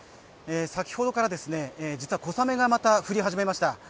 先ほどから実は小雨がまた降り始めました。